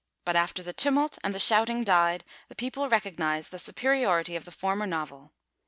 But after the tumult and the shouting died, the people recognised the superiority of the former novel.